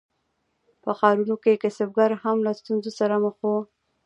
په ښارونو کې کسبګر هم له ستونزو سره مخ وو.